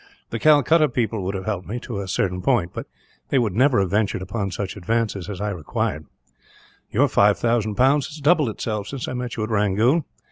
The Calcutta people would have helped me, to a certain point; but they would never have ventured upon such advances as I required. Your 5000 pounds has doubled itself since I met you at Rangoon.